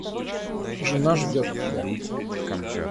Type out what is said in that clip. Жена ждет тебя.